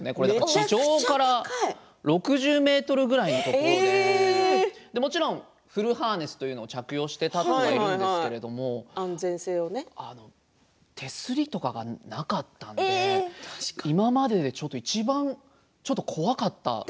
地上から６０ｍぐらいのところでもちろんフルハーネスを着用して立っているんですけど手すりとかがなかったんで今までで、いちばん怖かった。